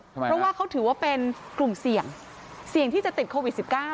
เพราะว่าเขาถือว่าเป็นกลุ่มเสี่ยงเสี่ยงที่จะติดโควิด๑๙